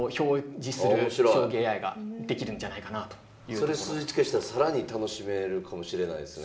それ数値化したら更に楽しめるかもしれないですね。